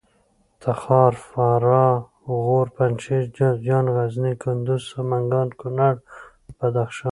تخار فراه غور پنجشېر جوزجان غزني کندوز سمنګان کونړ بدخشان